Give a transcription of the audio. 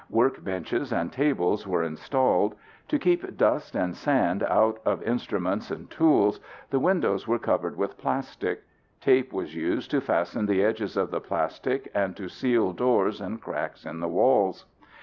Work benches and tables were installed. To keep dust and sand out of instruments and tools, the windows were covered with plastic. Tape was used to fasten the edges of the plastic and to seal doors and cracks in the walls.